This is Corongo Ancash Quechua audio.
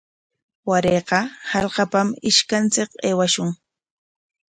Warayqa hallqapam ishkanchik aywashun.